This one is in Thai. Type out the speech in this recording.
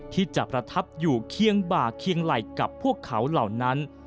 ที่จะประทับอยู่เคียงบ่าเคียงไหล่กับพวกเขาเหล่านั้น